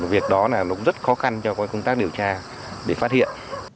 việc đó là nó cũng rất khó khăn cho các công tác điều tra để phát hiện